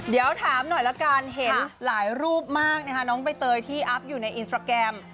เดี๋ยวถามหน่อยละกันเห็นหลายรูปมากนะคะน้องใบเตยที่อัพอยู่ในอินสตราแกรม